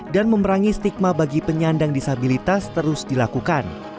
dan memerangi stigma bagi penyandang disabilitas terus dilakukan